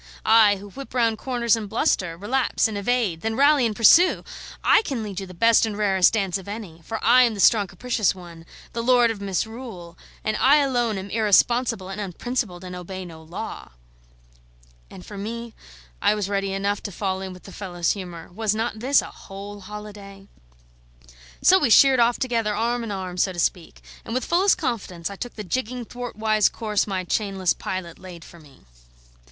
I, who whip round corners and bluster, relapse and evade, then rally and pursue! I can lead you the best and rarest dance of any; for I am the strong capricious one, the lord of misrule, and I alone am irresponsible and unprincipled, and obey no law." And for me, I was ready enough to fall in with the fellow's humour; was not this a whole holiday? So we sheered off together, arm in arm, so to speak; and with fullest confidence I took the jigging, thwartwise course my chainless pilot laid for me.